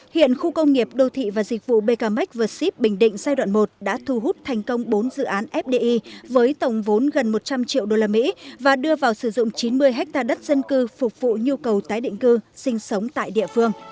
hiện khu công nghiệp đô thị và dịch vụ bkmec val ship bình định giai đoạn một đã thu hút thành công bốn dự án fdi với tổng vốn gần một trăm linh triệu usd và đưa vào sử dụng chín mươi ha đất dân cư phục vụ nhu cầu tái định cư sinh sống tại địa phương